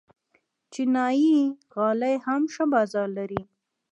چینايي غالۍ هم ښه بازار لري.